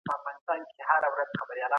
که پس انداز په کار واچول سي ګټه به وکړي.